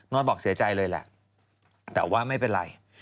บอกเสียใจเลยแหละแต่ว่าไม่เป็นไร